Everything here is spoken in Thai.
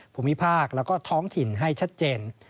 ภูมิภาคแล้วก็ท้องถิ่นให้ชัดเจน